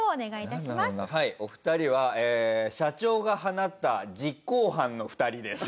はいお二人はえー社長が放った実行犯の２人です。